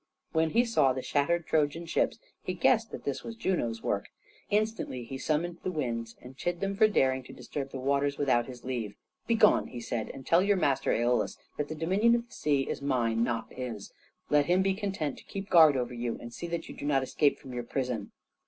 When he saw the shattered Trojan ships he guessed that this was Juno's work. Instantly he summoned the winds and chid them for daring to disturb the waters without his leave. "Begone," he said, "and tell your master Æolus that the dominion of the sea is mine, not his. Let him be content to keep guard over you and see that you do not escape from your prison."